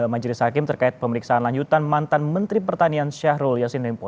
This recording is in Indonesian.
majelis hakim terkait pemeriksaan lanjutan mantan menteri pertanian syahrul yassin limpo